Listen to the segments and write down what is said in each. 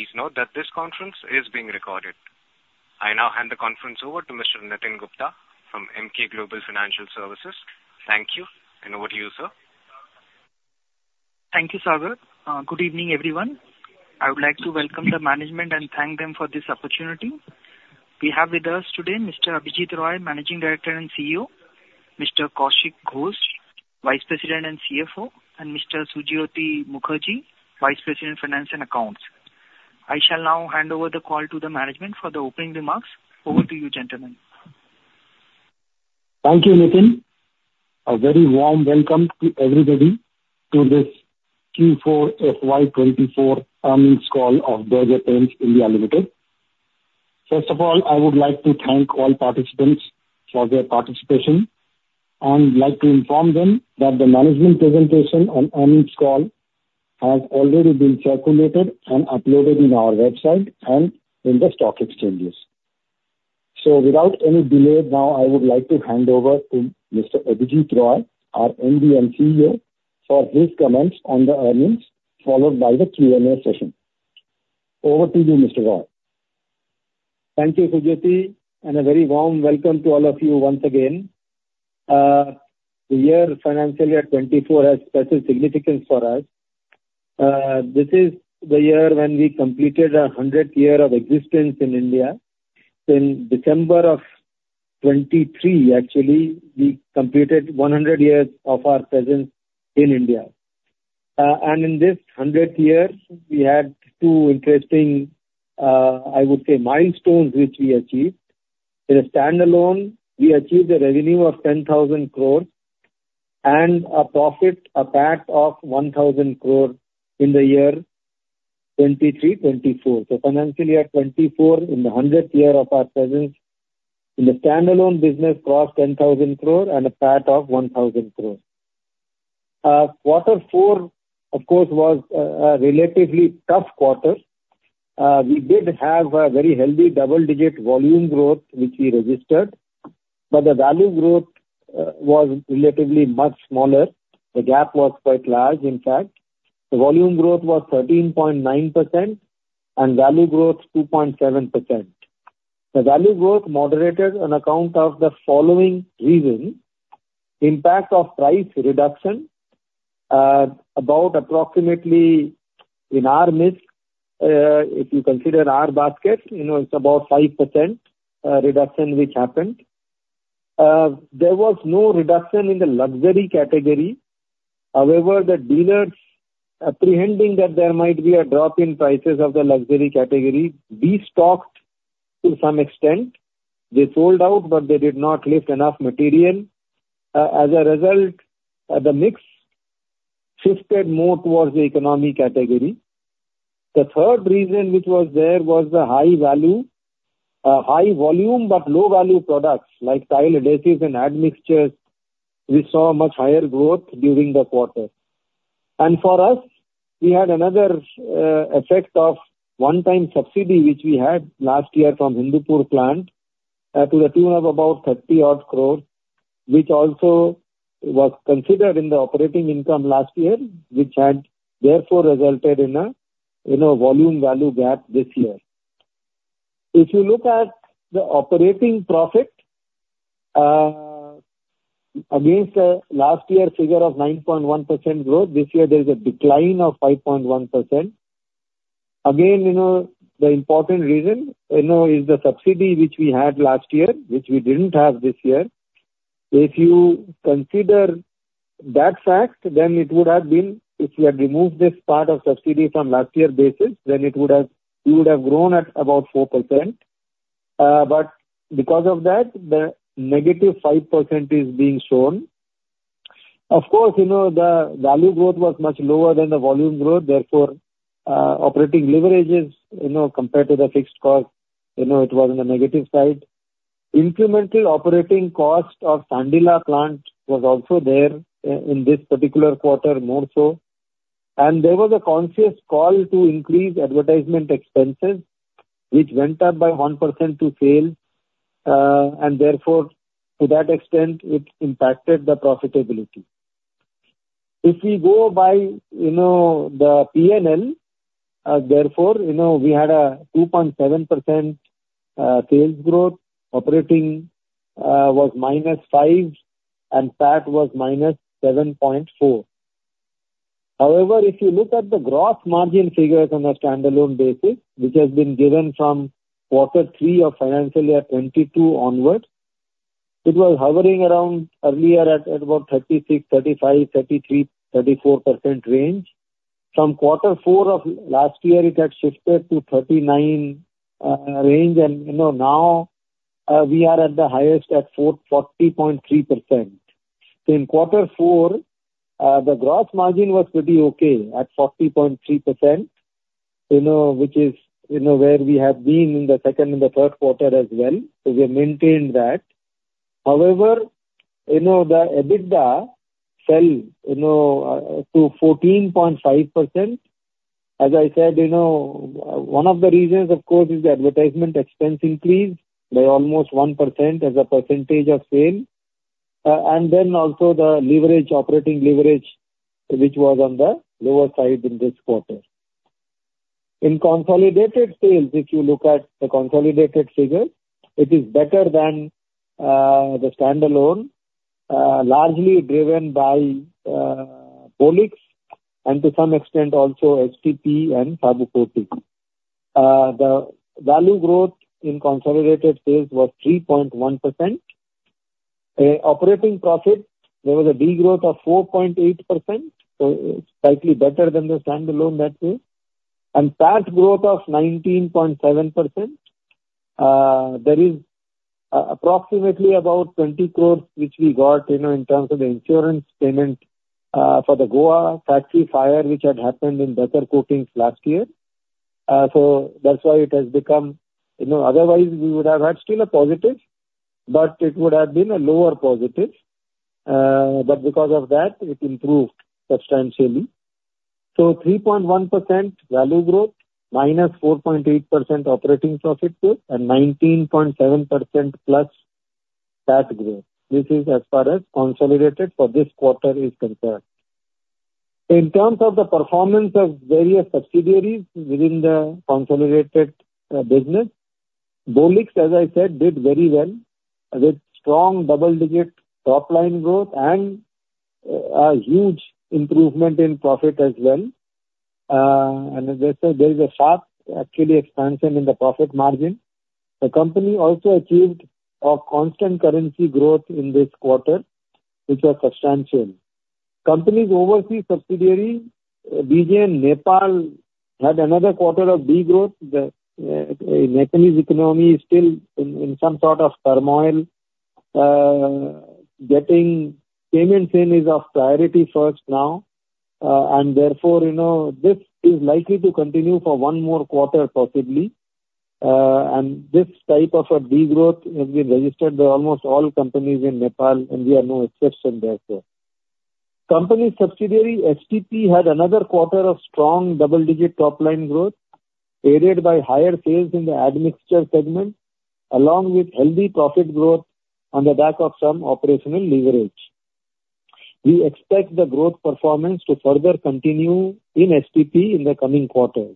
Please note that this conference is being recorded. I now hand the conference over to Mr. Nitin Gupta from Emkay Global Financial Services. Thank you, and over to you, sir. Thank you, Sagar. Good evening, everyone. I would like to welcome the management and thank them for this opportunity. We have with us today Mr. Abhijit Roy, Managing Director and CEO, Mr. Kaushik Ghosh, Vice President and CFO, and Mr. Sujyoti Mukherjee, Vice President, Finance and Accounts. I shall now hand over the call to the management for the opening remarks. Over to you, gentlemen. Thank you, Nitin. A very warm welcome to everybody to this Q4 FY 2024 earnings call of Berger Paints India Limited. First of all, I would like to thank all participants for their participation, and like to inform them that the management presentation on earnings call has already been circulated and uploaded in our website and in the stock exchanges. So without any delay now, I would like to hand over to Mr. Abhijit Roy, our MD and CEO, for his comments on the earnings, followed by the Q&A session. Over to you, Mr. Roy. Thank you, Sujyoti, and a very warm welcome to all of you once again. The year financial year 2024 has special significance for us. This is the year when we completed our 100 year of existence in India. In December of 2023, actually, we completed 100 years of our presence in India. And in this 100 years, we had two interesting, I would say, milestones which we achieved. In a standalone, we achieved a revenue of 10,000 crore and a PAT of 1,000 crore in the year 2023-2024. So financial year 2024, in the hundredth year of our presence in the standalone business, crossed 10,000 crore and a PAT of 1,000 crore. Quarter four, of course, was a relatively tough quarter. We did have a very healthy double-digit volume growth, which we registered, but the value growth was relatively much smaller. The gap was quite large, in fact. The volume growth was 13.9% and value growth 2.7%. The value growth moderated on account of the following reasons: impact of price reduction, about approximately in our mix, if you consider our basket, you know, it's about 5%, reduction which happened. There was no reduction in the luxury category. However, the dealers apprehending that there might be a drop in prices of the luxury category, destocked to some extent. They sold out, but they did not lift enough material. As a result, the mix shifted more towards the economy category. The third reason, which was there, was the high value... High volume, but low-value products like tile adhesives and admixtures, which saw a much higher growth during the quarter. For us, we had another effect of one-time subsidy, which we had last year from Hindupur plant, to the tune of about 30 crore, which also was considered in the operating income last year, which had therefore resulted in a, you know, volume-value gap this year. If you look at the operating profit, against the last year figure of 9.1% growth, this year there is a decline of 5.1%. Again, you know, the important reason, you know, is the subsidy which we had last year, which we didn't have this year. If you consider that fact, then it would have been, if you had removed this part of subsidy from last year basis, then it would have, we would have grown at about 4%. But because of that, the -5% is being shown. Of course, you know, the value growth was much lower than the volume growth, therefore, operating leverage is, you know, compared to the fixed cost, you know, it was on the negative side. Incremental operating cost of Sandila plant was also there in this particular quarter, more so. And there was a conscious call to increase advertisement expenses, which went up by 1% to sales, and therefore, to that extent, it impacted the profitability. If we go by, you know, the P&L, therefore, you know, we had a 2.7% sales growth, operating was -5, and PAT was -7.4. However, if you look at the gross margin figures on a standalone basis, which has been given from quarter three of financial year 2022 onwards, it was hovering around earlier at, at about 36, 35, 33, 34% range. From quarter four of last year, it had shifted to 39% range, and you know, now, we are at the highest at forty point three percent. So in quarter four, the gross margin was pretty okay at 40.3%, you know, which is, you know, where we have been in the second and the third quarter as well, so we have maintained that. However, you know, the EBITDA fell, you know, to 14.5%. As I said, you know, one of the reasons, of course, is the advertisement expense increase by almost 1% as a percentage of sales, and then also the leverage, operating leverage, which was on the lower side in this quarter. In consolidated sales, if you look at the consolidated figure, it is better than the standalone, largely driven by Bolix, and to some extent also STP and Saboo Coatings. The value growth in consolidated sales was 3.1%. Operating profit, there was a degrowth of 4.8%, so it's slightly better than the standalone that is, and PAT growth of 19.7%. There is approximately about 20 crore, which we got, you know, in terms of the insurance payment, for the Goa factory fire, which had happened in Becker Coatings last year. So that's why it has become, you know, otherwise we would have had still a positive, but it would have been a lower positive. But because of that, it improved substantially. So 3.1% value growth, -4.8% operating profit growth, and 19.7% PAT growth. This is as far as consolidated for this quarter is concerned. In terms of the performance of various subsidiaries within the consolidated, business, Bolix, as I said, did very well, with strong double-digit top line growth and, a huge improvement in profit as well. And as I said, there is a sharp actually expansion in the profit margin. The company also achieved a constant currency growth in this quarter, which was substantial. The company's overseas subsidiary, Berger Nepal, had another quarter of degrowth. The Nepalese economy is still in some sort of turmoil. Getting payments in is of priority first now, and therefore, you know, this is likely to continue for one more quarter, possibly. And this type of a degrowth has been registered by almost all companies in Nepal, and we are no exception there, so. The company subsidiary, STP, had another quarter of strong double-digit top line growth, aided by higher sales in the admixture segment, along with healthy profit growth on the back of some operational leverage. We expect the growth performance to further continue in STP in the coming quarters.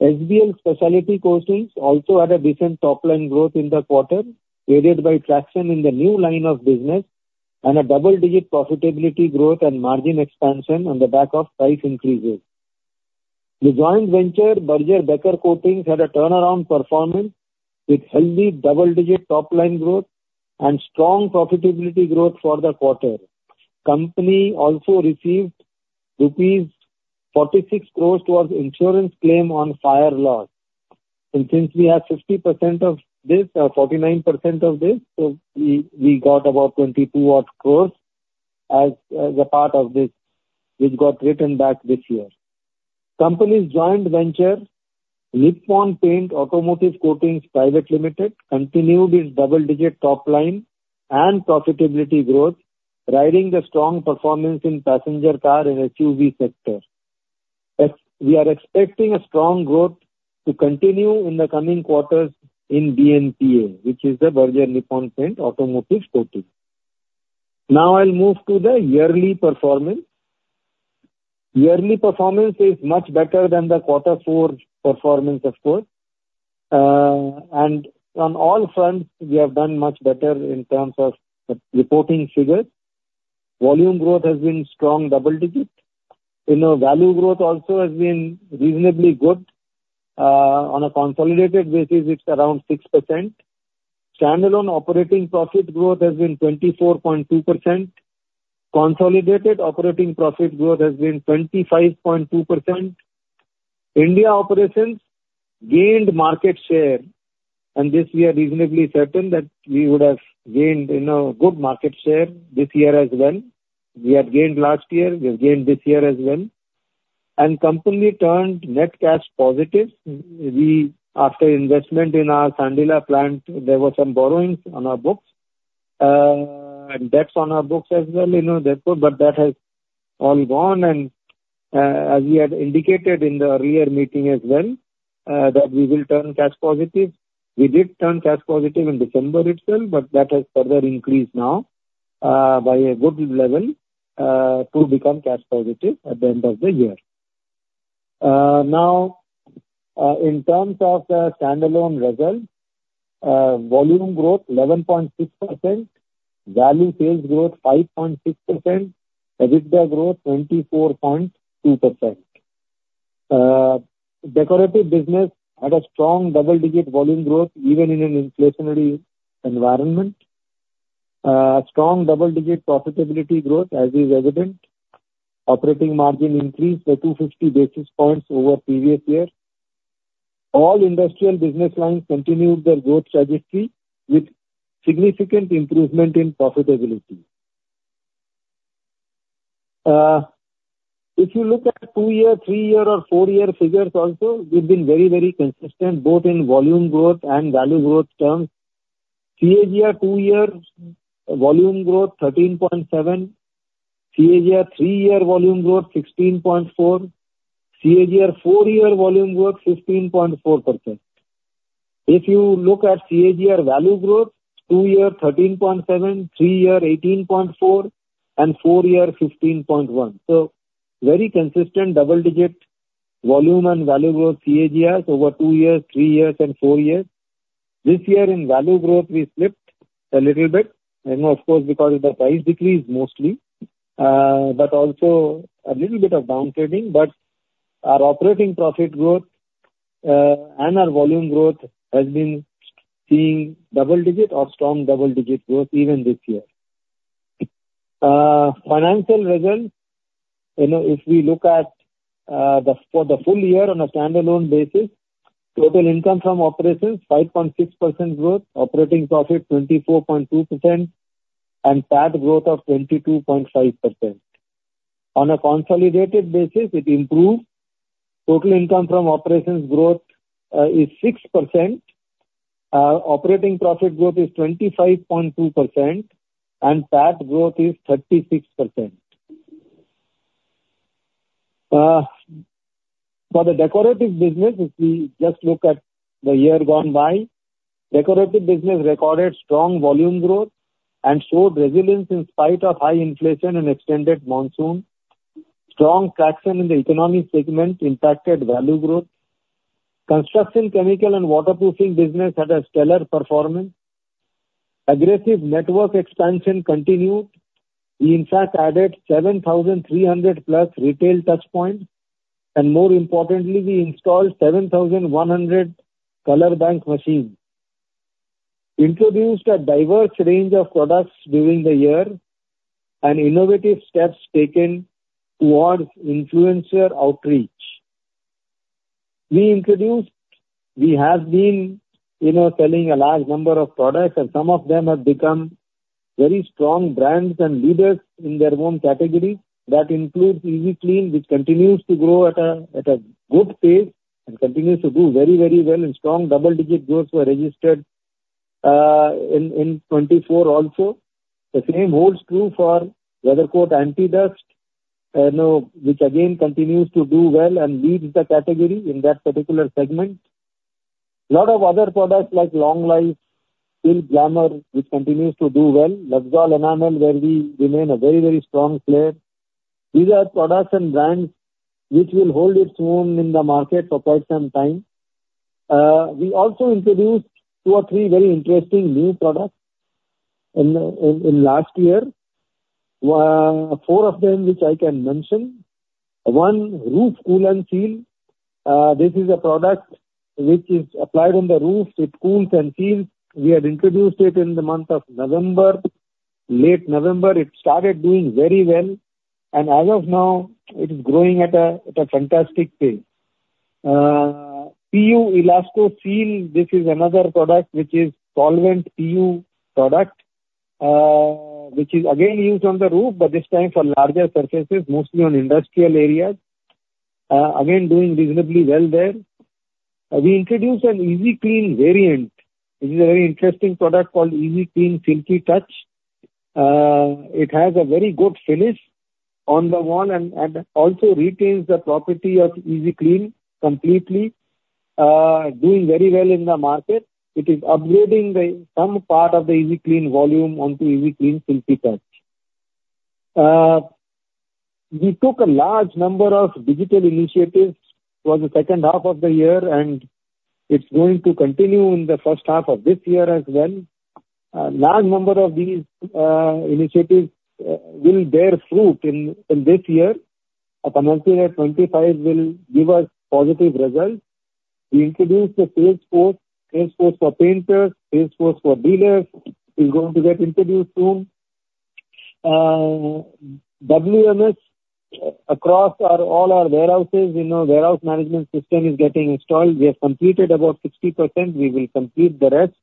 SBL Specialty Coatings also had a decent top line growth in the quarter, aided by traction in the new line of business and a double-digit profitability growth and margin expansion on the back of price increases. The joint venture, Berger Becker Coatings, had a turnaround performance with healthy double-digit top line growth and strong profitability growth for the quarter. Company also received rupees 46 crores towards insurance claim on fire loss. And since we have 60% of this, 49% of this, so we got about 22 odd crores as a part of this, which got written back this year. Company's joint venture, Nippon Paint Automotive Coatings Private Limited, continued its double-digit top line and profitability growth, riding the strong performance in passenger car and SUV sector. We are expecting a strong growth to continue in the coming quarters in BNPA, which is the Berger Nippon Paint Automotive Coatings. Now I'll move to the yearly performance. Yearly performance is much better than the quarter four performance of course. And on all fronts, we have done much better in terms of the reporting figures. Volume growth has been strong double digit. You know, value growth also has been reasonably good. On a consolidated basis, it's around 6%. Standalone operating profit growth has been 24.2%. Consolidated operating profit growth has been 25.2%. India operations gained market share, and this we are reasonably certain that we would have gained, you know, good market share this year as well. We had gained last year, we have gained this year as well. Company turned net cash positive. After investment in our Sandila plant, there were some borrowings on our books, and debts on our books as well, you know, therefore, but that has all gone. As we had indicated in the earlier meeting as well, that we will turn cash positive. We did turn cash positive in December itself, but that has further increased now, by a good level, to become cash positive at the end of the year. Now, in terms of the standalone results, volume growth 11.6%, value sales growth 5.6%, EBITDA growth 24.2%. Decorative business had a strong double-digit volume growth, even in an inflationary environment. Strong double-digit profitability growth, as is evident. Operating margin increased by 250 basis points over previous year. All industrial business lines continued their growth trajectory, with significant improvement in profitability. If you look at two-year, three-year or four-year figures also, we've been very, very consistent, both in volume growth and value growth terms. CAGR two-year volume growth, 13.7. CAGR three-year volume growth, 16.4. CAGR four-year volume growth, 15.4%. If you look at CAGR value growth, two-year, 13.7; three-year, 18.4, and four-year, 15.1. So very consistent double-digit volume and value growth CAGRs over two years, three years, and four years. This year in value growth, we slipped a little bit, you know, of course, because of the price decrease mostly, but also a little bit of downtrading. But our operating profit growth, and our volume growth has been seeing double digit or strong double digit growth even this year. Financial results, you know, if we look at, the, for the full year on a standalone basis, total income from operations, 5.6% growth, operating profit 24.2%, and PAT growth of 22.5%. On a consolidated basis, it improved. Total income from operations growth is 6%, operating profit growth is 25.2%, and PAT growth is 36%. For the decorative business, if we just look at the year gone by, decorative business recorded strong volume growth and showed resilience in spite of high inflation and extended monsoon. Strong traction in the economic segment impacted value growth. Construction, chemical and waterproofing business had a stellar performance. Aggressive network expansion continued. We, in fact, added 7,300+ retail touchpoints, and more importantly, we installed 7,100 color bank machines. Introduced a diverse range of products during the year and innovative steps taken towards influencer outreach. We have been, you know, selling a large number of products, and some of them have become very strong brands and leaders in their own category. That includes Easy Clean, which continues to grow at a good pace and continues to do very, very well, and strong double-digit growth were registered in '2024 also. The same holds true for Weathercoat Anti Dustt, you know, which again, continues to do well and leads the category in that particular segment. Lot of other products like Long Life, Silk Glamour, which continues to do well. Luxol Enamel, where we remain a very, very strong player. These are products and brands which will hold its own in the market for quite some time. We also introduced 2 or 3 very interesting new products in last year. 4 of them, which I can mention. 1, Roof Kool & Seal. This is a product which is applied on the roof. It cools and seals. We had introduced it in the month of November, late November. It started doing very well, and as of now, it is growing at a fantastic pace. PU Elastoseal, this is another product which is solvent PU product, which is again, used on the roof, but this time for larger surfaces, mostly on industrial areas. Again, doing reasonably well there. We introduced an Easy Clean variant. This is a very interesting product called Easy Clean Silky Touch. It has a very good finish on the wall and also retains the property of Easy Clean completely, doing very well in the market. It is upgrading some part of the Easy Clean volume onto Easy Clean Silky Touch. We took a large number of digital initiatives towards the second half of the year, and it's going to continue in the first half of this year as well. A large number of these initiatives will bear fruit in this year. I can also say that 2025 will give us positive results. We introduced a sales force for painters. A sales force for dealers is going to get introduced soon. WMS across all our warehouses, you know, warehouse management system is getting installed. We have completed about 60%. We will complete the rest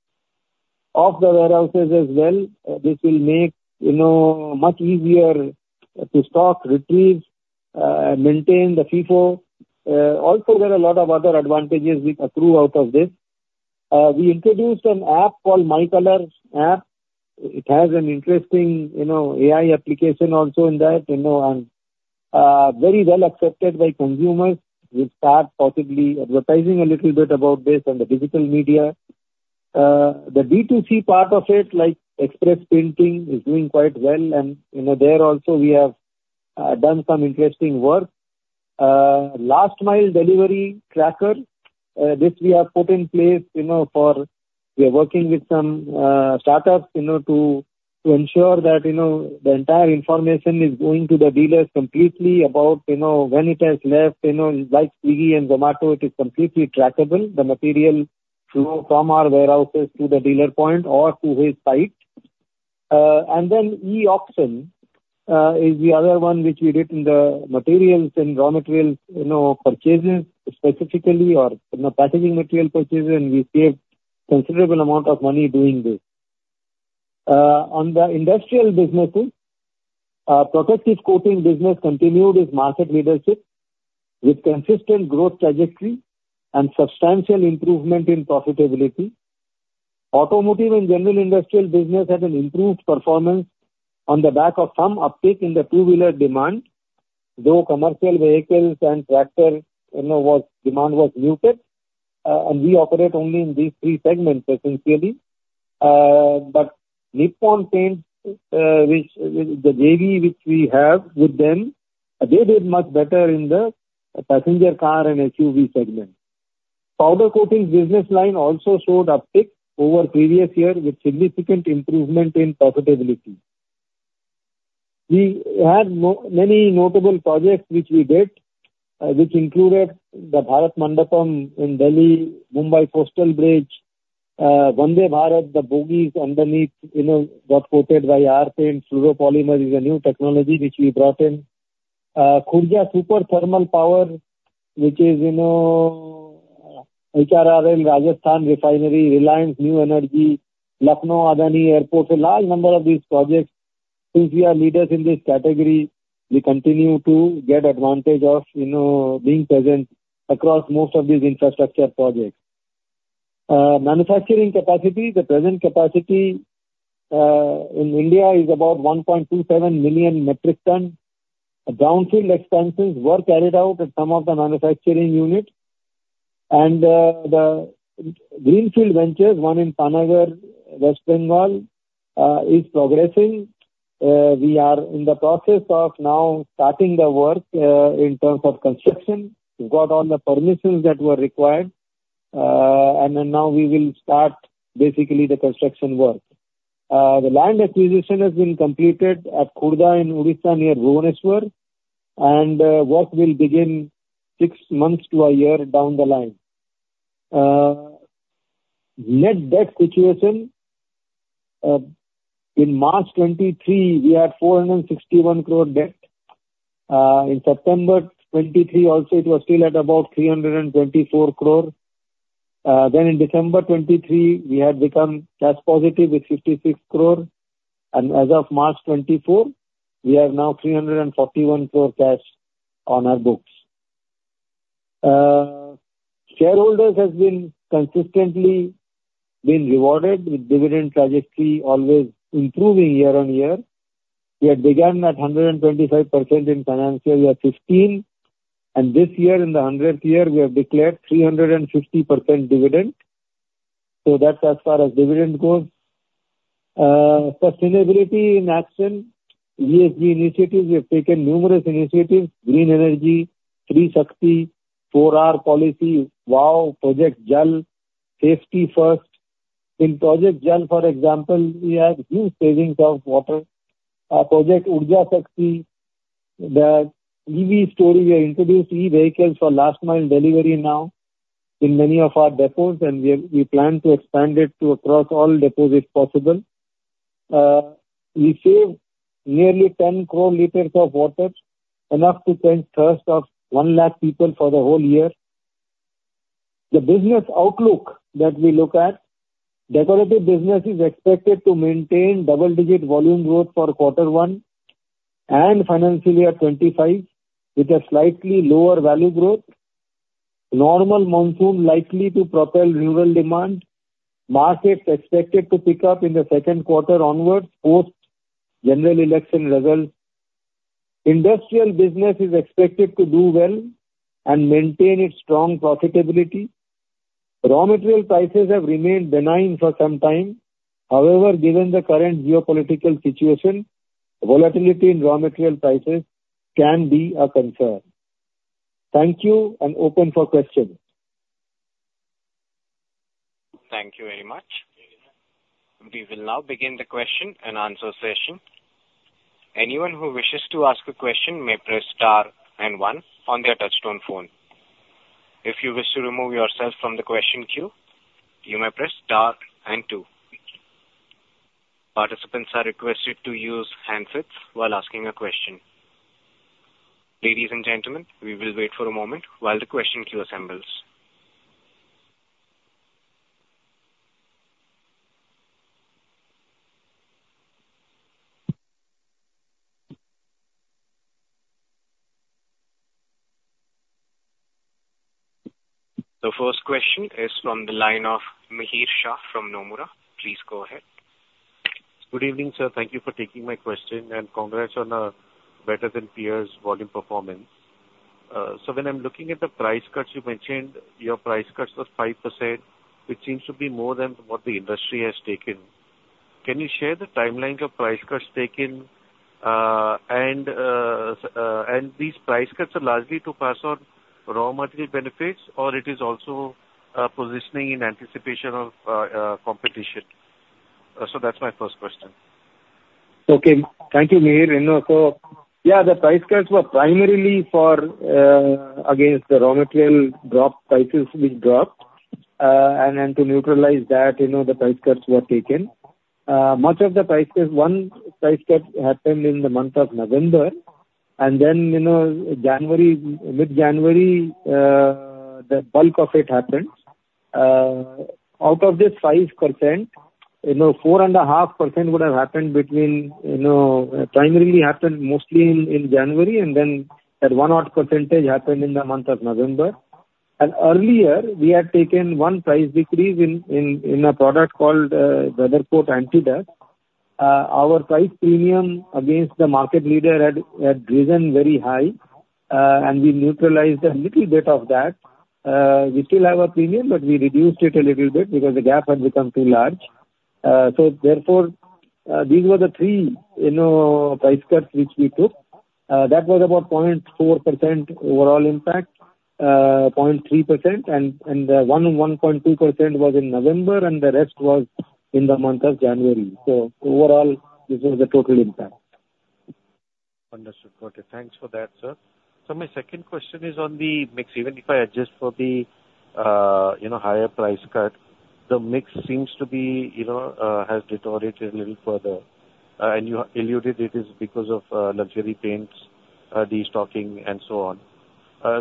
of the warehouses as well. This will make, you know, much easier to stock, retrieve, and maintain the FIFO. Also, there are a lot of other advantages which accrue out of this. We introduced an app called My Colour app. It has an interesting, you know, AI application also in that, you know, and very well accepted by consumers. We'll start possibly advertising a little bit about this on the digital media. The B2C part of it, like express painting, is doing quite well, and, you know, there also we have done some interesting work. Last mile delivery tracker, this we have put in place, you know, for... We are working with some startups, you know, to, to ensure that, you know, the entire information is going to the dealers completely about, you know, when it has left, you know, like Swiggy and Zomato, it is completely trackable, the material, you know, from our warehouses to the dealer point or to his site. And then E-Auction is the other one, which we did in the materials and raw materials, you know, purchases specifically or, you know, packaging material purchases, and we saved considerable amount of money doing this. On the industrial businesses, protective coating business continued its market leadership with consistent growth trajectory and substantial improvement in profitability. Automotive and general industrial business had an improved performance on the back of some uptick in the two-wheeler demand, though commercial vehicles and tractor, you know, was, demand was muted. And we operate only in these three segments, essentially. But Nippon Paint, which, the JV which we have with them, they did much better in the passenger car and SUV segment. Powder coatings business line also showed uptick over previous year, with significant improvement in profitability. We had many notable projects which we did, which included the Bharat Mandapam in Delhi, Mumbai Coastal Bridge, Vande Bharat, the bogies underneath, you know, got coated by our paint. Fluoropolymer is a new technology which we brought in. Khurja Super Thermal Power, which is, you know, HRRL Rajasthan Refinery, Reliance New Energy, Lucknow Adani Airport, a large number of these projects. Since we are leaders in this category, we continue to get advantage of, you know, being present across most of these infrastructure projects. Manufacturing capacity, the present capacity in India is about 1.27 million metric tons. Brownfield expenses were carried out at some of the manufacturing units. And the greenfield ventures, one in Panagarh, West Bengal, is progressing. We are in the process of now starting the work in terms of construction. We've got all the permissions that were required. And then now we will start basically the construction work. The land acquisition has been completed at Khurda in Odisha, near Bhubaneswar, and work will begin six months to a year down the line. Net debt situation in March 2023, we had 461 crore debt. In September 2023, also, it was still at about 324 crore. Then in December 2023, we had become cash positive with 56 crore, and as of March 2024, we have now 341 crore cash on our books. Shareholders has been consistently been rewarded, with dividend trajectory always improving year on year. We had begun at 125% in financial year 2015, and this year, in the 100th year, we have declared 350% dividend. So that's as far as dividend goes. Sustainability in action. ESG initiatives, we have taken numerous initiatives: Green Energy, Three Shakti, Four R Policy, WOW, Project Jal, Safety First. In Project Jal, for example, we have huge savings of water. Our Project Urja Shakti, the EV story, we have introduced e-vehicles for last mile delivery now in many of our depots, and we, we plan to expand it to across all depots, if possible. We save nearly 10 crore liters of water, enough to quench thirst of 1 lakh people for the whole year. The business outlook that we look at, decorative business is expected to maintain double-digit volume growth for Q1 and FY 2025, with a slightly lower value growth. Normal monsoon likely to propel rural demand. Markets expected to pick up in the second quarter onwards, post general election results. Industrial business is expected to do well and maintain its strong profitability. Raw material prices have remained benign for some time. However, given the current geopolitical situation, volatility in raw material prices can be a concern. Thank you, and open for questions. Thank you very much. We will now begin the question and answer session. Anyone who wishes to ask a question may press star and one on their touchtone phone. If you wish to remove yourself from the question queue, you may press star and two. Participants are requested to use handsets while asking a question. Ladies and gentlemen, we will wait for a moment while the question queue assembles. The first question is from the line of Mihir Shah from Nomura. Please go ahead. Good evening, sir. Thank you for taking my question, and congrats on a better-than-peers volume performance. So when I'm looking at the price cuts, you mentioned your price cuts were 5%, which seems to be more than what the industry has taken. Can you share the timeline of price cuts taken, and these price cuts are largely to pass on raw material benefits, or it is also positioning in anticipation of competition? So that's my first question. Okay. Thank you, Mihir. You know, so, yeah, the price cuts were primarily for against the raw material drop, prices which dropped. And then to neutralize that, you know, the price cuts were taken. Much of the price cuts, one price cut happened in the month of November, and then, you know, January, with January, the bulk of it happened. Out of this 5%, you know, 4.5% would have happened between, you know, primarily happened mostly in January, and then that 1% happened in the month of November. And earlier, we had taken one price decrease in a product called Weathercoat Anti Dustt. Our price premium against the market leader had risen very high, and we neutralized a little bit of that. We still have a premium, but we reduced it a little bit because the gap had become too large. So therefore, these were the three, you know, price cuts which we took. That was about 0.4% overall impact, 0.3%, and one 1.2% was in November, and the rest was in the month of January. So overall, this is the total impact. Understood. Got it. Thanks for that, sir. So my second question is on the mix. Even if I adjust for the, you know, higher price cut, the mix seems to be, you know, has deteriorated a little further. And you alluded it is because of, luxury paints, destocking and so on.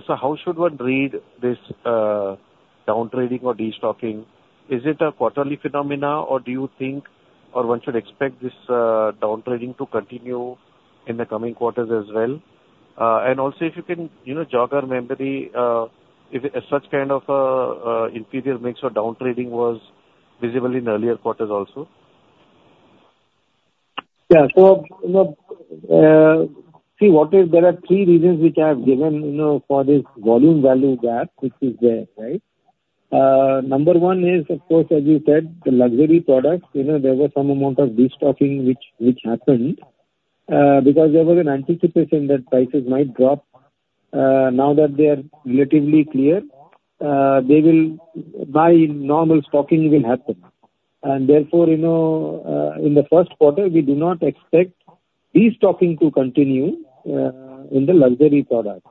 So how should one read this, down trading or destocking? Is it a quarterly phenomenon, or do you think or one should expect this, down trading to continue in the coming quarters as well? And also, if you can, you know, jog our memory, if a such kind of, inferior mix or down trading was visible in earlier quarters also. Yeah. So, you know, see, what is there are three reasons which I have given, you know, for this volume value gap, which is there, right? Number one is, of course, as you said, the luxury products. You know, there was some amount of destocking which, which happened, because there was an anticipation that prices might drop. Now that they are relatively clear, they will buy normal stocking will happen. And therefore, you know, in the first quarter, we do not expect destocking to continue, in the luxury products.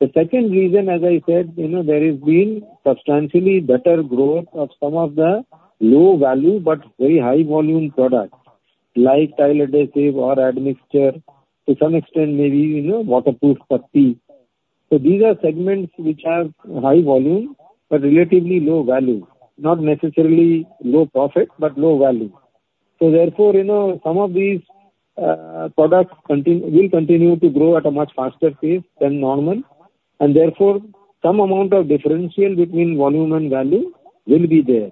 The second reason, as I said, you know, there has been substantially better growth of some of the low value but very high volume products, like tile adhesive or admixture, to some extent, maybe, you know, waterproof putty. So these are segments which have high volume, but relatively low value. Not necessarily low profit, but low value. So therefore, you know, some of these products will continue to grow at a much faster pace than normal, and therefore some amount of differential between volume and value will be there.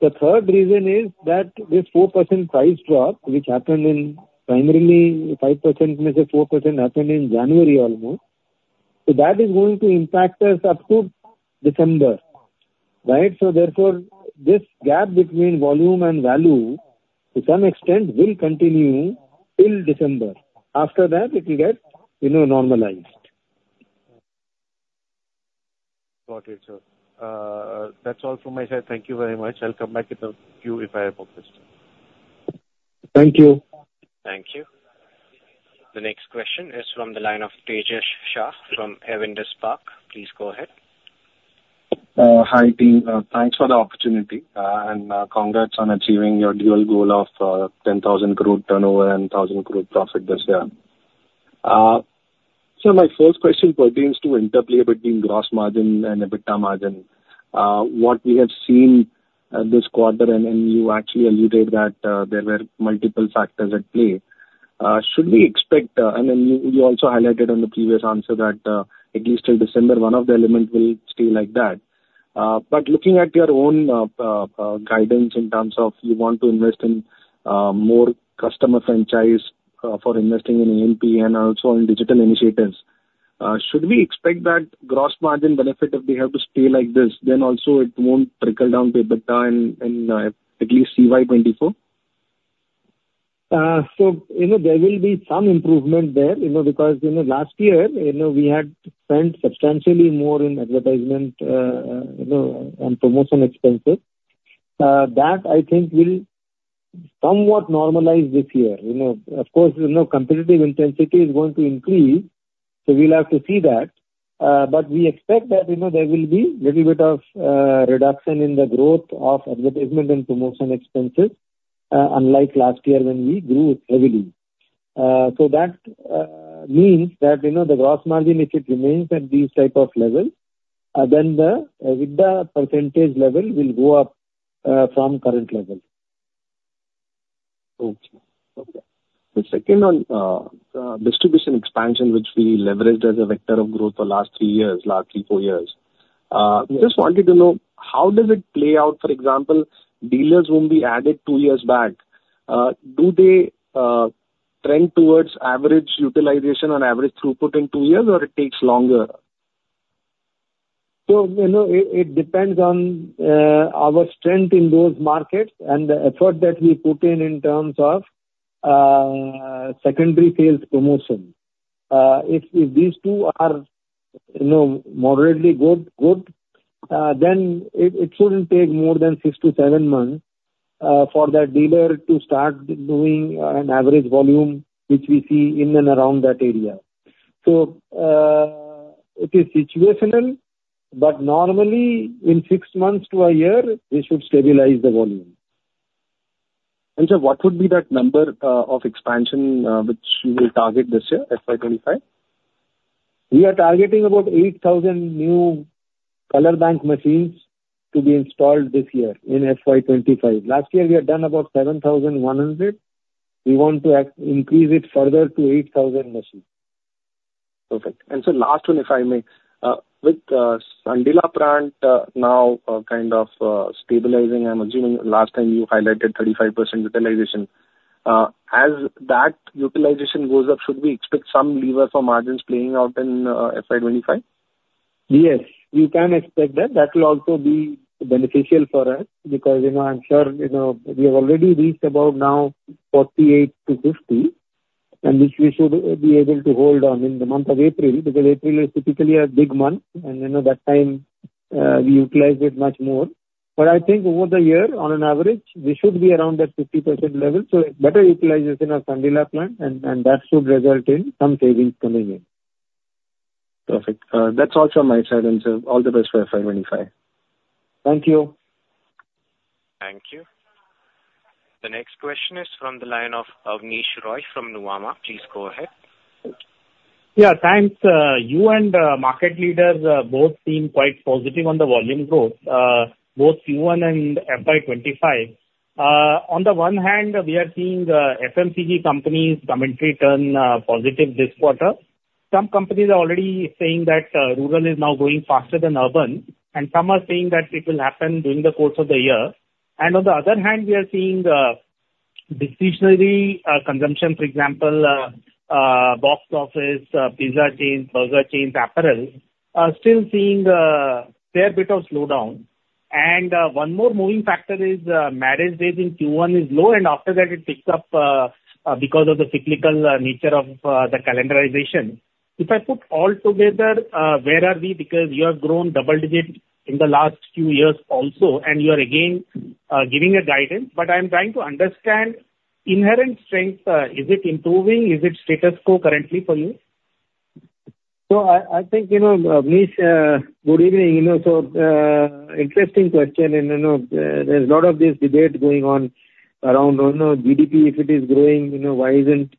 The third reason is that this 4% price drop, which happened in primarily 5%, which is 4%, happened in January almost. So that is going to impact us up to December, right? So therefore, this gap between volume and value, to some extent, will continue till December. After that, it will get, you know, normalized. Got it, sir. That's all from my side. Thank you very much. I'll come back with a few if I have more questions. Thank you. Thank you. The next question is from the line of Tejas Shah from Spark Capital. Please go ahead. Hi, team. Thanks for the opportunity, and congrats on achieving your dual goal of 10,000 crore turnover and 1,000 crore profit this year. So my first question pertains to interplay between gross margin and EBITDA margin. What we have seen this quarter, and you actually alluded that there were multiple factors at play. Should we expect... And then you also highlighted on the previous answer that at least till December, one of the elements will stay like that. But looking at your own guidance in terms of you want to invest in more customer franchise for investing in AMP and also in digital initiatives, should we expect that gross margin benefit? If we have to stay like this, then also it won't trickle down to EBITDA in at least CY 2024? So, you know, there will be some improvement there, you know, because, you know, last year, you know, we had spent substantially more in advertisement, you know, on promotion expenses. That, I think, will somewhat normalize this year. You know, of course, you know, competitive intensity is going to increase, so we'll have to see that. But we expect that, you know, there will be little bit of reduction in the growth of advertisement and promotion expenses, unlike last year when we grew heavily. So that means that, you know, the gross margin, if it remains at this type of level, then the EBITDA percentage level will go up from current level. Okay. Okay. The second on distribution expansion, which we leveraged as a vector of growth for last three years, last three, four years. Yes. Just wanted to know how does it play out? For example, dealers whom we added two years back, do they trend towards average utilization or average throughput in two years, or it takes longer? So, you know, it depends on our strength in those markets and the effort that we put in in terms of secondary sales promotion. If these two are, you know, moderately good, then it shouldn't take more than 6-7 months for that dealer to start doing an average volume, which we see in and around that area. So, it is situational, but normally in 6 months to a year, they should stabilize the volume. Sir, what would be that number of expansion which you will target this year, FY 2025?... We are targeting about 8,000 new Color Bank machines to be installed this year in FY 2025. Last year, we had done about 7,100. We want to increase it further to 8,000 machines. Perfect. Last one, if I may. With Sandila plant now kind of stabilizing, I'm assuming last time you highlighted 35% utilization. As that utilization goes up, should we expect some lever for margins playing out in FY 2025? Yes, you can expect that. That will also be beneficial for us because, you know, I'm sure you know, we have already reached about now 48-50, and which we should be able to hold on in the month of April, because April is typically a big month, and, you know, that time, we utilize it much more. But I think over the year, on an average, we should be around that 50% level, so better utilization of Sandila plant, and, and that should result in some savings coming in. Perfect. That's all from my side, and so all the best for FY 2025. Thank you. Thank you. The next question is from the line of Abneesh Roy from Nuvama. Please go ahead. Yeah, thanks. You and market leaders both seem quite positive on the volume growth both Q1 and FY 2025. On the one hand we are seeing FMCG companies commentary turn positive this quarter. Some companies are already saying that rural is now growing faster than urban, and some are saying that it will happen during the course of the year. On the other hand, we are seeing discretionary consumption, for example, box office, pizza chains, burger chains, apparel, are still seeing a fair bit of slowdown. One more moving factor is marriage rate in Q1 is low, and after that it picks up because of the cyclical nature of the calendarization. If I put all together, where are we? Because we have grown double-digit in the last few years also, and you are again giving a guidance, but I'm trying to understand inherent strength. Is it improving? Is it status quo currently for you? So I think, you know, Abneesh, good evening. You know, so interesting question, and you know, there's a lot of this debate going on around, you know, GDP. If it is growing, you know, why isn't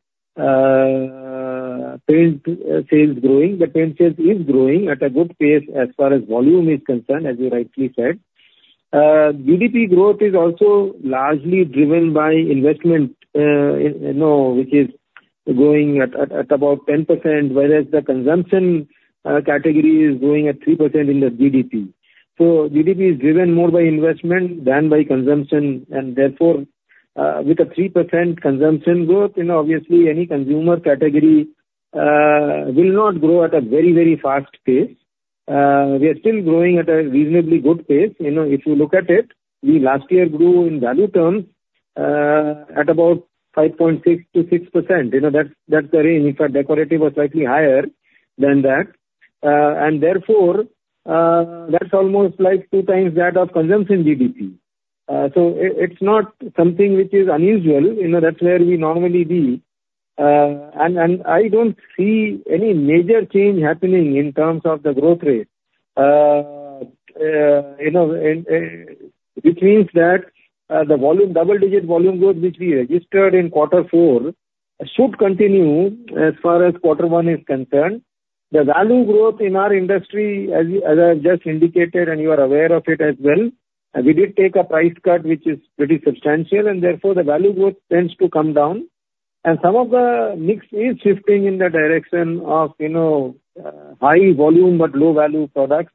paint sales growing? The paint sales is growing at a good pace as far as volume is concerned, as you rightly said. GDP growth is also largely driven by investment, you know, which is growing at about 10%, whereas the consumption category is growing at 3% in the GDP. So GDP is driven more by investment than by consumption, and therefore, with a 3% consumption growth, you know, obviously any consumer category will not grow at a very, very fast pace. We are still growing at a reasonably good pace. You know, if you look at it, we last year grew in value terms at about 5.6%-6%. You know, that's, that's the range. In fact, decorative was slightly higher than that. And therefore, that's almost like two times that of consumption GDP. So it's not something which is unusual, you know, that's where we normally be. And I don't see any major change happening in terms of the growth rate. You know, which means that the volume, double-digit volume growth which we registered in quarter four, should continue as far as quarter one is concerned. The value growth in our industry, as we, as I just indicated, and you are aware of it as well, we did take a price cut, which is pretty substantial, and therefore the value growth tends to come down. And some of the mix is shifting in the direction of, you know, high volume but low-value products,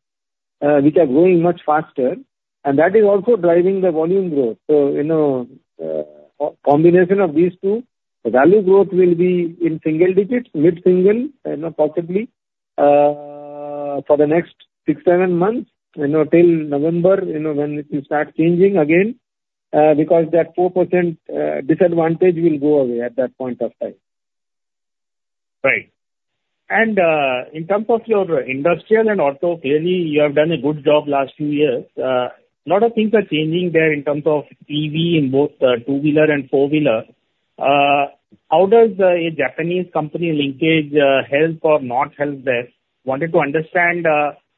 which are growing much faster, and that is also driving the volume growth. So, you know, a combination of these two, value growth will be in single digits, mid-single, you know, possibly, for the next 6-7 months, you know, till November, you know, when it will start changing again, because that 4%, disadvantage will go away at that point of time. Right. And, in terms of your industrial and auto, clearly you have done a good job last few years. Lot of things are changing there in terms of EV in both, two-wheeler and four-wheeler. How does a Japanese company linkage help or not help there? Wanted to understand,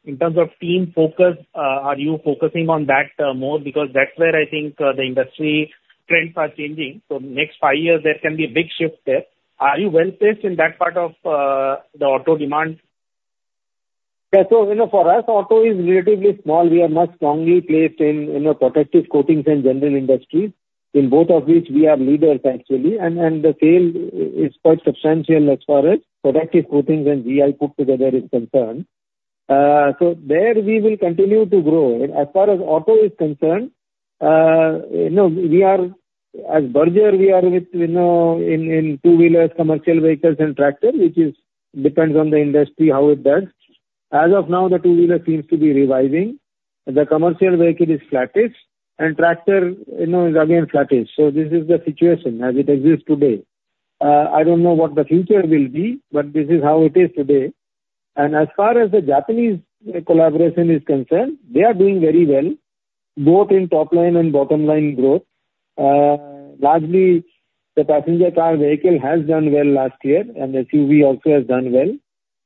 in terms of team focus, are you focusing on that more? Because that's where I think the industry trends are changing. So next five years, there can be a big shift there. Are you well-placed in that part of the auto demand? Yeah, so you know, for us, auto is relatively small. We are much strongly placed in, you know, protective coatings and general industries, in both of which we are leaders, actually. And the sales is quite substantial as far as protective coatings and GI put together is concerned. So there we will continue to grow. As far as auto is concerned, you know, we are, as Berger, we are with, you know, in, in two-wheelers, commercial vehicles and tractors, which depends on the industry, how it does. As of now, the two-wheeler seems to be reviving, the commercial vehicle is flattish, and tractor, you know, is again flattish. So this is the situation as it exists today. I don't know what the future will be, but this is how it is today. As far as the Japanese collaboration is concerned, they are doing very well, both in top line and bottom line growth. Largely, the passenger car vehicle has done well last year, and SUV also has done well.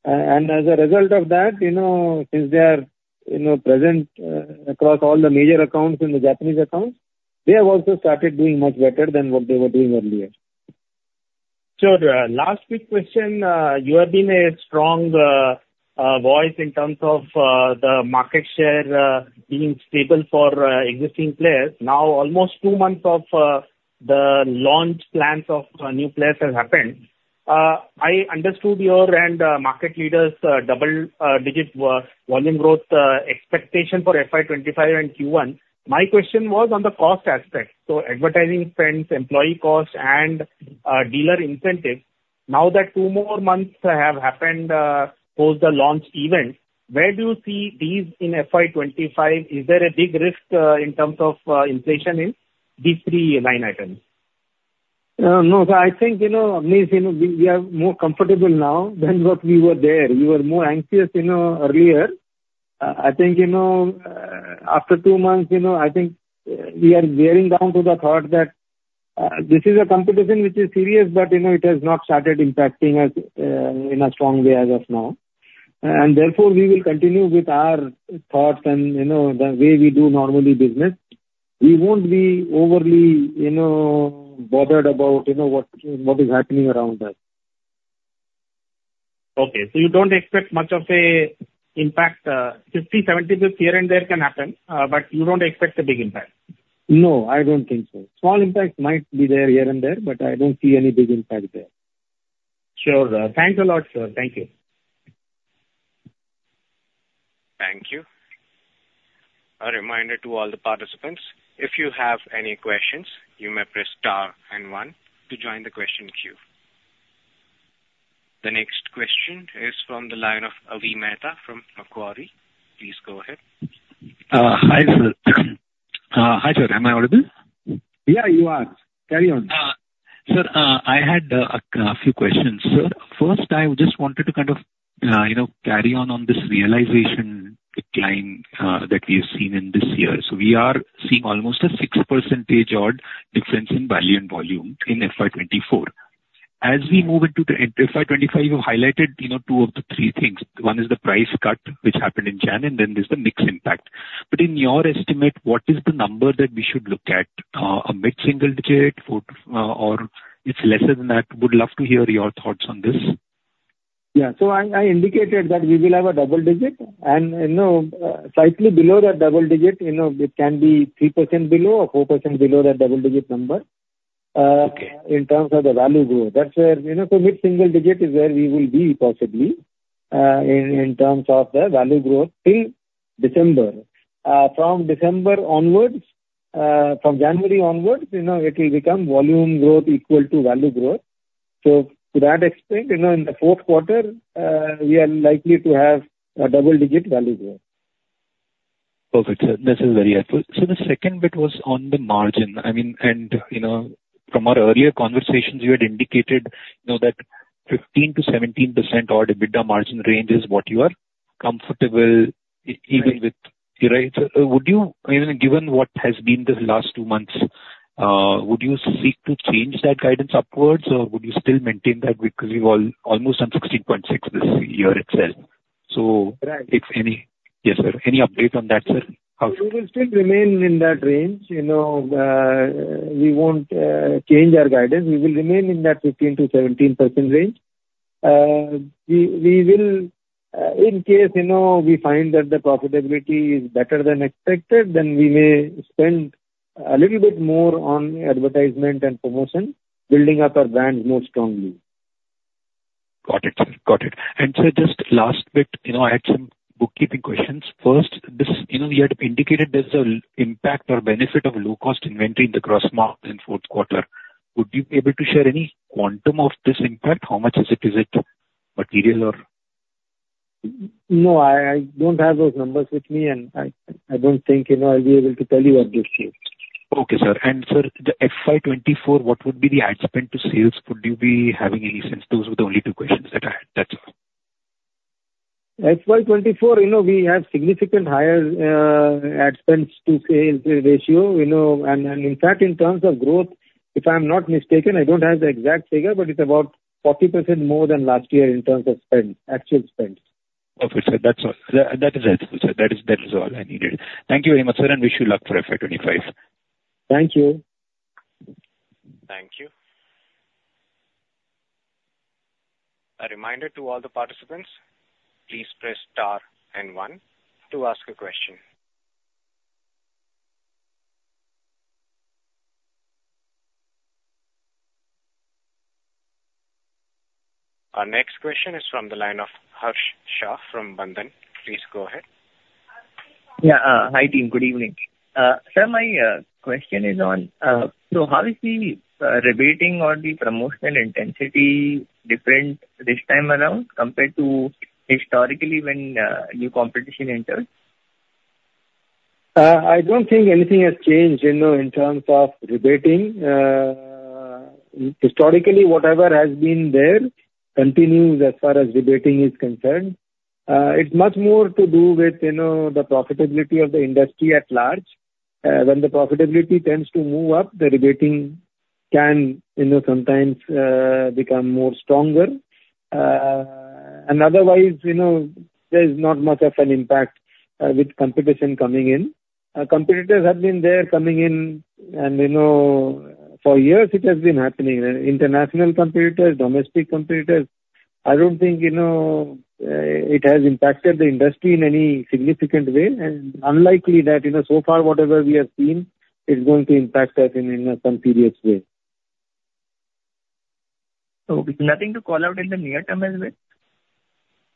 As a result of that, you know, since they are, you know, present across all the major accounts in the Japanese accounts. They have also started doing much better than what they were doing earlier. Sure. Last quick question. You have been a strong voice in terms of the market share being stable for existing players. Now, almost two months of the launch plans of new players has happened. I understood you and market leaders double-digit volume growth expectation for FY 2025 and Q1. My question was on the cost aspect, so advertising spends, employee costs, and dealer incentives. Now that two more months have happened post the launch event, where do you see these in FY 2025? Is there a big risk in terms of inflation in these three line items? No. So I think, you know, means, you know, we are more comfortable now than what we were there. We were more anxious, you know, earlier. I think, you know, after two months, you know, I think, we are gearing down to the thought that this is a competition which is serious, but, you know, it has not started impacting us in a strong way as of now. And therefore, we will continue with our thoughts and, you know, the way we do normally business. We won't be overly, you know, bothered about, you know, what is happening around us. Okay, so you don't expect much of an impact? 50, 70% here and there can happen, but you don't expect a big impact? No, I don't think so. Small impact might be there, here and there, but I don't see any big impact there. Sure, sir. Thanks a lot, sir. Thank you. Thank you. A reminder to all the participants, if you have any questions, you may press star and one to join the question queue. The next question is from the line of Avi Mehta from Macquarie. Please go ahead. Hi, sir. Hi, sir. Am I audible? Yeah, you are. Carry on. Sir, I had a few questions, sir. First, I just wanted to kind of, you know, carry on on this realization decline that we have seen in this year. So we are seeing almost a 6%-odd difference in value and volume in FY 2024. As we move into the FY 2025, you highlighted, you know, two of the three things. One is the price cut, which happened in January, and then there's the mix impact. But in your estimate, what is the number that we should look at? A mid-single digit, or it's lesser than that? Would love to hear your thoughts on this. Yeah. So I indicated that we will have a double digit and, you know, slightly below that double digit number- Okay... in terms of the value growth. That's where, you know, so mid-single digit is where we will be possibly in terms of the value growth till December. From December onwards, from January onwards, you know, it'll become volume growth equal to value growth. So to that extent, you know, in the fourth quarter, we are likely to have a double-digit value growth. Perfect, sir. This is very helpful. So the second bit was on the margin. I mean, and, you know, from our earlier conversations, you had indicated, you know, that 15%-17% or EBITDA margin range is what you are comfortable e- Right. Even with, right. So, would you, I mean, given what has been the last two months, would you seek to change that guidance upwards, or would you still maintain that because you're almost on 16.6 this year itself? So- Right. If any... Yes, sir. Any update on that, sir? How- We will still remain in that range, you know. We won't change our guidance. We will remain in that 15%-17% range. We will, in case, you know, we find that the profitability is better than expected, then we may spend a little bit more on advertisement and promotion, building up our brand more strongly. Got it, sir. Got it. Sir, just last bit, you know, I had some bookkeeping questions. First, this, you know, you had indicated there's an impact or benefit of low-cost inventory in the gross margin in fourth quarter. Would you be able to share any quantum of this impact? How much is it? Is it material or...? No, I don't have those numbers with me, and I don't think, you know, I'll be able to tell you at this stage. Okay, sir. And sir, the FY 2024, what would be the ad spend to sales? Could you be having any sense? Those were the only two questions that I had. That's all. FY 2024, you know, we have significant higher ad spends to sales ratio, you know, and, and in fact, in terms of growth, if I'm not mistaken, I don't have the exact figure, but it's about 40% more than last year in terms of spend, actual spend. Perfect, sir. That's all. That is helpful, sir. That is all I needed. Thank you very much, sir, and wish you luck for FY 2025. Thank you. Thank you. A reminder to all the participants, please press star and one to ask a question. Our next question is from the line of Harsh Shah from Bandhan. Please go ahead. Yeah, hi, team. Good evening. Sir, my question is on, so how is the rebating or the promotional intensity different this time around compared to historically when new competition enters? I don't think anything has changed, you know, in terms of rebating. Historically, whatever has been there continues as far as rebating is concerned. It's much more to do with, you know, the profitability of the industry at large. When the profitability tends to move up, the rebating can, you know, sometimes become more stronger. And otherwise, you know, there's not much of an impact with competition coming in. Our competitors have been there coming in, and, you know, for years it has been happening. And international competitors, domestic competitors, I don't think, you know, it has impacted the industry in any significant way, and unlikely that, you know, so far, whatever we have seen, is going to impact us in some serious way. Nothing to call out in the near term as well?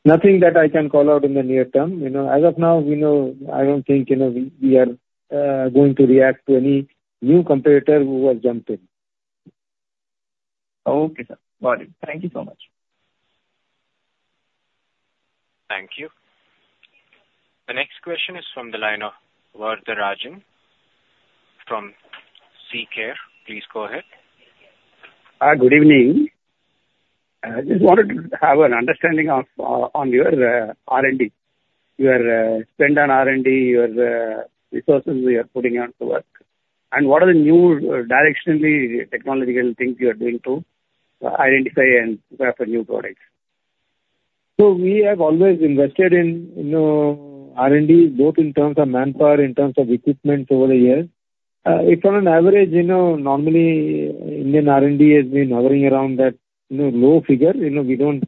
Nothing that I can call out in the near term. You know, as of now, you know, I don't think, you know, we are going to react to any new competitor who has jumped in. Okay, sir. Got it. Thank you so much. Thank you. The next question is from the line of Varadarajan from Antique Stock Broking. Please go ahead. Good evening. I just wanted to have an understanding of, on your, R&D. Your spend on R&D, your resources you are putting on to work, and what are the new directionally technological things you are doing to identify and craft new products? So we have always invested in, you know, R&D, both in terms of manpower, in terms of equipment over the years. If on an average, you know, normally Indian R&D has been hovering around that, you know, low figure. You know, we don't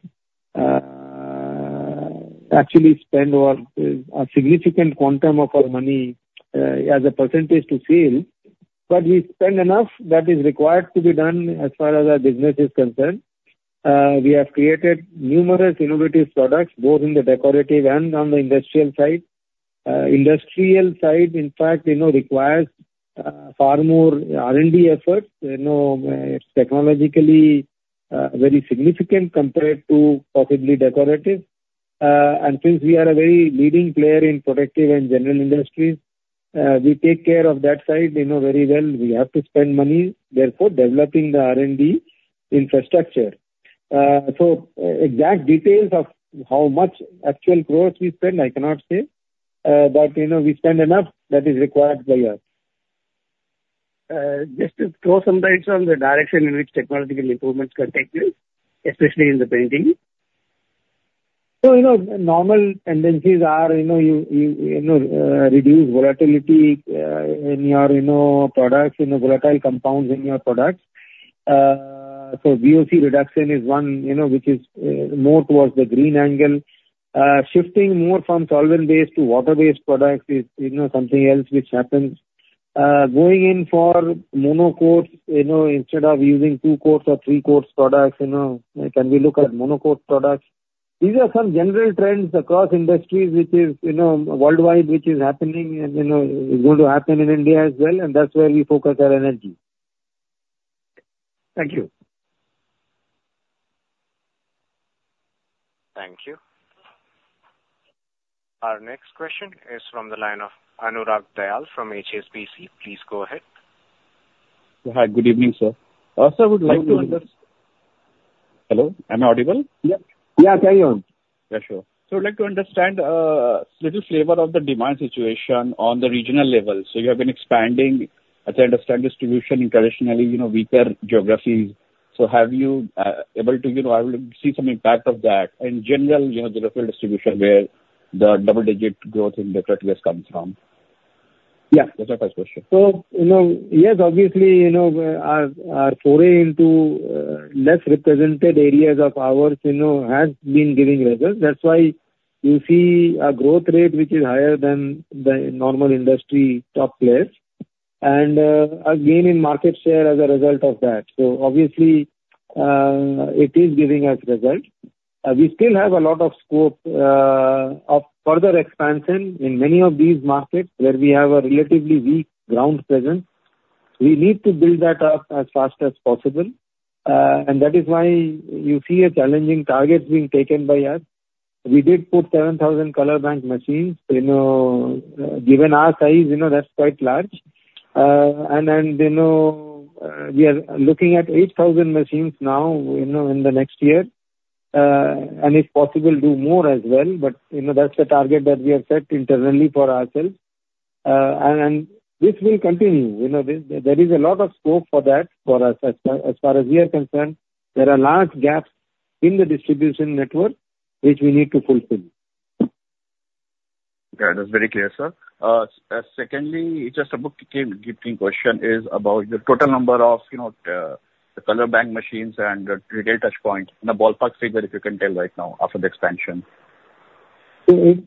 actually spend our a significant quantum of our money as a percentage to sale, but we spend enough that is required to be done as far as our business is concerned. We have created numerous innovative products, both in the decorative and on the industrial side. Industrial side, in fact, you know, requires far more R&D efforts. You know, it's technologically very significant compared to possibly decorative. And since we are a very leading player in protective and general industries, we take care of that side, you know, very well. We have to spend money, therefore developing the R&D infrastructure. So exact details of how much actual crores we spend, I cannot say, but, you know, we spend enough that is required by us. Just to throw some light on the direction in which technological improvements can take place, especially in the painting. So, you know, normal tendencies are, you know, reduce volatility in your products, you know, volatile compounds in your products. So, VOC reduction is one, you know, which is more towards the green angle. Shifting more from solvent-based to water-based products is, you know, something else which happens. Going in for mono coats, you know, instead of using two coats or three coats products, you know, can we look at mono coat products? These are some general trends across industries, which is, you know, worldwide, which is happening and, you know, is going to happen in India as well, and that's where we focus our energy. Thank you. Thank you. Our next question is from the line of Anurag Dayal from HSBC. Please go ahead. Hi, good evening, sir. Sir, would like to. Hello, am I audible? Yeah. Yeah, carry on. Yeah, sure. So I'd like to understand little flavor of the demand situation on the regional level. So you have been expanding, as I understand, distribution in traditionally, you know, weaker geographies. So you know, are able to see some impact of that in general, you know, the retail distribution where the double-digit growth in detail has come from? Yeah. That's my first question. So, you know, yes, obviously, you know, our, our foray into, less represented areas of ours, you know, has been giving results. That's why you see a growth rate which is higher than the normal industry top players, and, a gain in market share as a result of that. So obviously, it is giving us results. We still have a lot of scope, of further expansion in many of these markets where we have a relatively weak ground presence. We need to build that up as fast as possible, and that is why you see a challenging target being taken by us. We did put 7,000 Color Bank machines. You know, given our size, you know, that's quite large. And then, you know, we are looking at 8,000 machines now, you know, in the next year, and if possible, do more as well. But, you know, that's the target that we have set internally for ourselves. And this will continue. You know, there is a lot of scope for that for us. As far as we are concerned, there are large gaps in the distribution network, which we need to fulfill. Yeah, that's very clear, sir. Secondly, just a bookkeeping question is about the total number of, you know, the Color Bank machines and retail touchpoints, in a ballpark figure, if you can tell right now after the expansion. It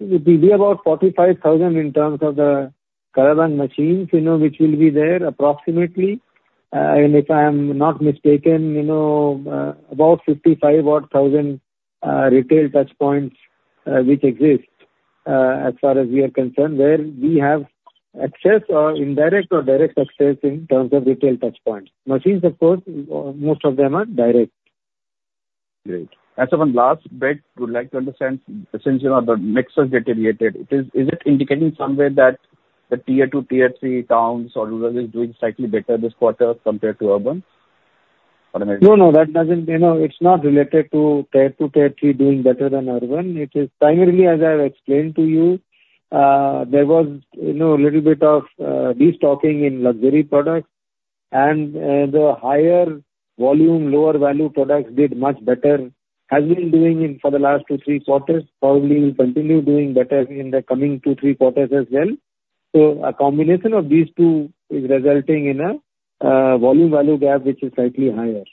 will be about 45,000 in terms of the Color Bank machines, you know, which will be there approximately. And if I am not mistaken, you know, about 55,000-odd retail touchpoints, which exist, as far as we are concerned, where we have access or indirect or direct access in terms of retail touchpoints. Machines, of course, most of them are direct. Great. And so one last bit, would like to understand, since, you know, the mix has deteriorated, it is... Is it indicating somewhere that the tier two, tier three towns or rural is doing slightly better this quarter compared to urban? ...No, no, that doesn't, you know, it's not related to Tier two, Tier three doing better than urban. It is primarily, as I have explained to you, there was, you know, a little bit of, destocking in luxury products, and, the higher volume, lower value products did much better, has been doing in for the last 2, 3 quarters, probably will continue doing better in the coming 2, 3 quarters as well. So a combination of these two is resulting in a, volume value gap, which is slightly higher.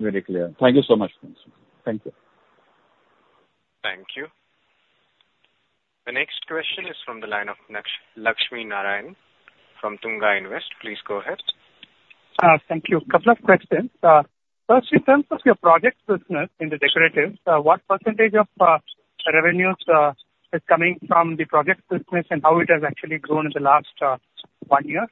Very clear. Thank you so much. Thank you. Thank you. The next question is from the line of Lakshminarayan from Tunga Investments. Please go ahead. Thank you. Couple of questions. First, in terms of your project business in the decoratives, what percentage of revenues is coming from the project business and how it has actually grown in the last one year?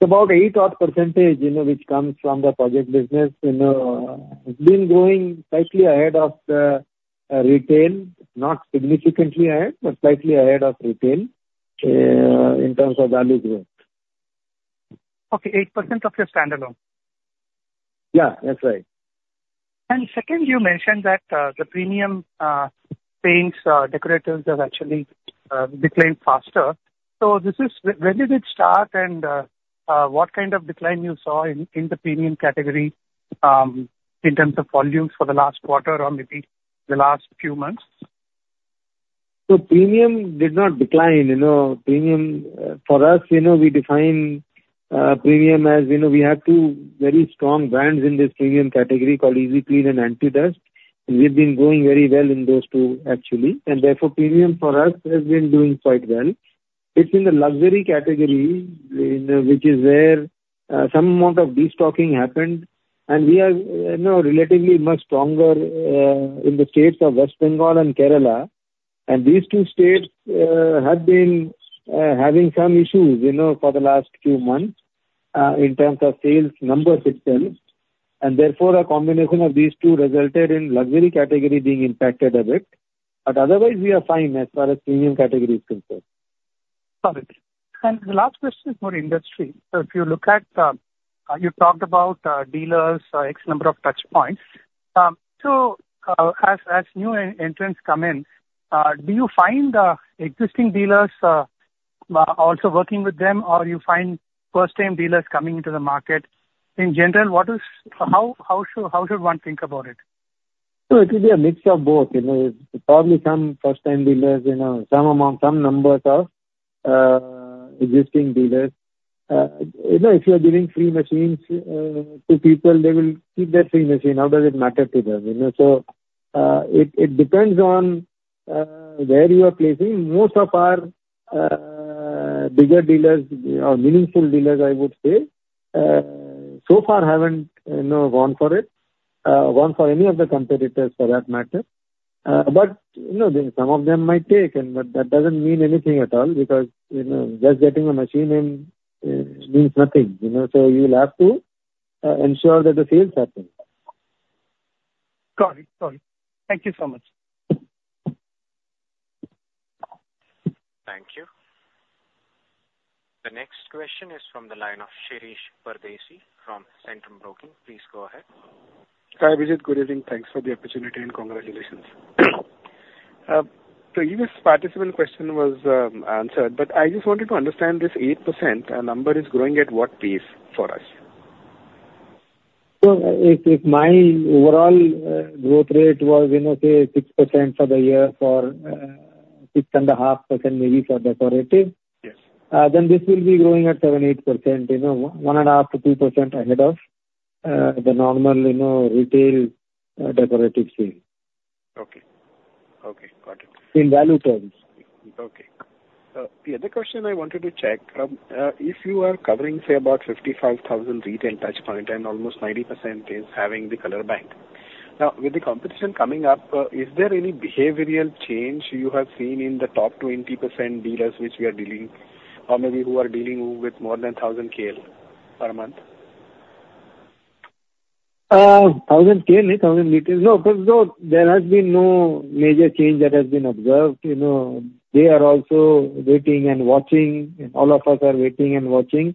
About 8%, you know, which comes from the project business, you know, it's been growing slightly ahead of retail. Not significantly ahead, but slightly ahead of retail, in terms of value growth. Okay, 8% of your standalone? Yeah, that's right. And second, you mentioned that the premium paints decoratives have actually declined faster. So where did it start, and what kind of decline you saw in the premium category in terms of volumes for the last quarter or maybe the last few months? So premium did not decline. You know, premium, for us, you know, we define, premium as, you know, we have two very strong brands in this premium category called Easy Clean and Anti Dustt. We've been doing very well in those two, actually, and therefore, premium for us has been doing quite well. It's in the luxury category, you know, which is where, some amount of destocking happened. And we are, you know, relatively much stronger, in the states of West Bengal and Kerala. And these two states, have been, having some issues, you know, for the last few months, in terms of sales numbers itself. And therefore, a combination of these two resulted in luxury category being impacted a bit, but otherwise we are fine as far as premium category is concerned. Got it. And the last question is for industry. So if you look at, you talked about dealers, X number of touch points. So as new entrants come in, do you find existing dealers also working with them, or you find first-time dealers coming into the market? In general, what is... How should one think about it? So it will be a mix of both, you know, probably some first-time dealers, you know, some amount, some numbers of existing dealers. You know, if you are giving free machines to people, they will keep that free machine. How does it matter to them, you know? So it, it depends on where you are placing. Most of our bigger dealers or meaningful dealers, I would say, so far haven't, you know, gone for it, gone for any of the competitors for that matter. But you know, some of them might take and, but that doesn't mean anything at all, because, you know, just getting a machine in means nothing, you know. So you will have to ensure that the sales happen. Got it. Got it. Thank you so much. Thank you. The next question is from the line of Shirish Pardesi from Centrum Broking. Please go ahead. Hi, Abhijit. Good evening. Thanks for the opportunity, and congratulations. The previous participant question was answered, but I just wanted to understand this 8% number is growing at what pace for us? So if my overall growth rate was, you know, say 6% for the year for 6.5% maybe for decorative- Yes. Then this will be growing at 7-8%, you know, 1.5%-2% ahead of the normal, you know, retail decorative sale. Okay. Okay, got it. In value terms. Okay. The other question I wanted to check, if you are covering, say, about 55,000 retail touch point and almost 90% is having the Color Bank. Now, with the competition coming up, is there any behavioral change you have seen in the top 20% dealers, which we are dealing, or maybe who are dealing with more than 1,000 KL per month? Thousand KL, thousand liters. No, so there has been no major change that has been observed. You know, they are also waiting and watching, and all of us are waiting and watching.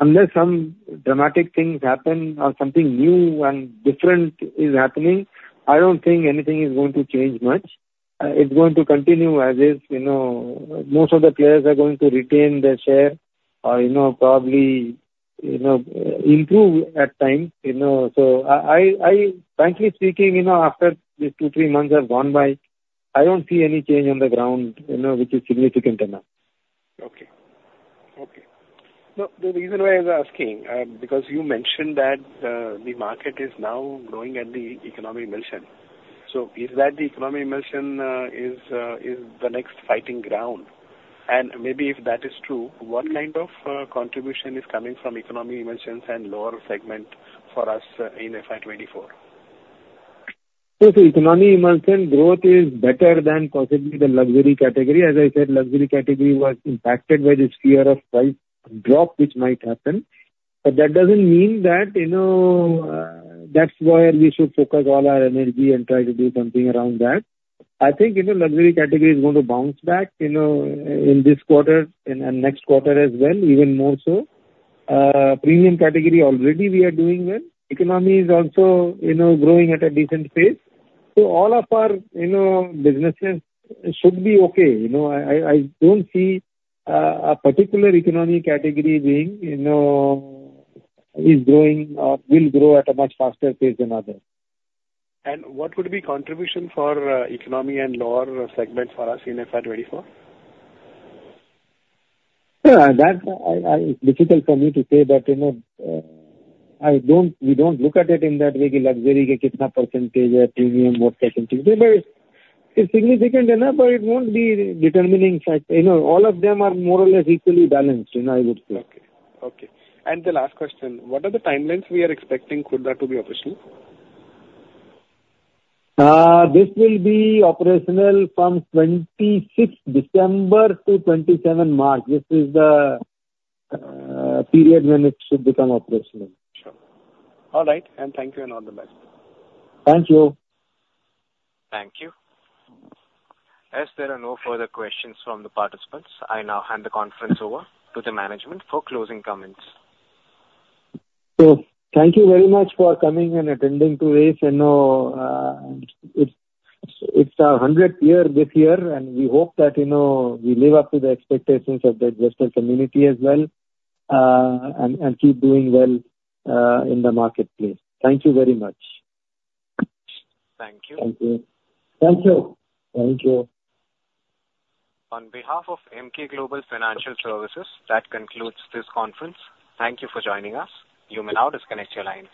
Unless some dramatic things happen or something new and different is happening, I don't think anything is going to change much. It's going to continue as is. You know, most of the players are going to retain their share or, you know, probably, you know, improve at times, you know. So I, I, frankly speaking, you know, after these two, three months have gone by, I don't see any change on the ground, you know, which is significant enough. Okay. Okay. So the reason why I was asking, because you mentioned that the market is now growing at the economy emulsion. So is that the economy emulsion the next fighting ground? And maybe if that is true, what kind of contribution is coming from economy emulsions and lower segment for us in FY 2024? So the economy emulsion growth is better than possibly the luxury category. As I said, luxury category was impacted by this fear of price drop, which might happen... But that doesn't mean that, you know, that's where we should focus all our energy and try to do something around that. I think, you know, luxury category is going to bounce back, you know, in this quarter and next quarter as well, even more so. Premium category already we are doing well. Economy is also, you know, growing at a decent pace. So all of our, you know, businesses should be okay. You know, I don't see a particular economic category being, you know, is growing or will grow at a much faster pace than others. What would be contribution for economy and lower segments for us in FY 2024? Yeah, that, it's difficult for me to say, but, you know, I don't, we don't look at it in that way, the luxury, the kitna percentage or premium, what percentage. But it's significant enough, but it won't be determining factor. You know, all of them are more or less equally balanced, you know, I would say. Okay. Okay, and the last question: What are the timelines we are expecting Khurda to be operational? This will be operational from 26th December to 27 March. This is the period when it should become operational. Sure. All right, and thank you and all the best. Thank you. Thank you. As there are no further questions from the participants, I now hand the conference over to the management for closing comments. Thank you very much for coming and attending to this. You know, it's our hundredth year this year, and we hope that, you know, we live up to the expectations of the investor community as well, and keep doing well in the marketplace. Thank you very much. Thank you. Thank you. Thank you. Thank you. On behalf of Emkay Global Financial Services, that concludes this conference. Thank you for joining us. You may now disconnect your lines.